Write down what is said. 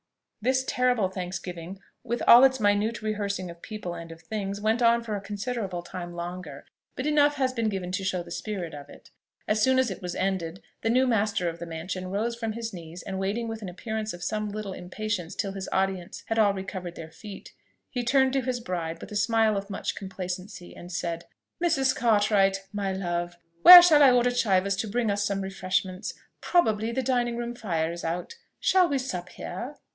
This terrible thanksgiving, with all its minute rehearsing of people and of things, went on for a considerable time longer; but enough has been given to show the spirit of it. As soon as it was ended, the new master of the mansion rose from his knees, and waiting with an appearance of some little impatience till his audience had all recovered their feet, he turned to his bride with a smile of much complacency, and said, "Mrs. Cartwright, my love, where shall I order Chivers to bring us some refreshments? Probably the dining room fire is out. Shall we sup here?"